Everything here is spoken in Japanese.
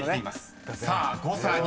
［さあ誤差２。